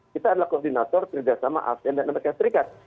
kita adalah koordinator terhadap sama asean dan amerika serikat